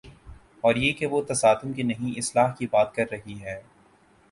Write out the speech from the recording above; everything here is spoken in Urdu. اوریہ کہ وہ تصادم کی نہیں، اصلاح کی بات کررہی ہے۔